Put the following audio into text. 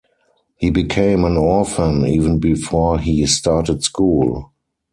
He became an orphan even before he started school.